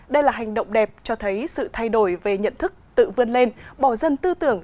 đây là hành động đẹp cho thấy sự thay đổi về nhận thức tự vươn lên bỏ dân tư tưởng